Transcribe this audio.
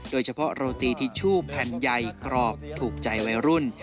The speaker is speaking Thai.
โดยเฉพาะโรตีทิชชู่แผ่นใหญ่กรอบถูกใจวัยรุ่น